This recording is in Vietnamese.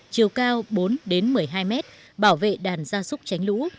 chiều cao bốn đến một mươi hai mét bảo vệ đàn gia súc tránh lũ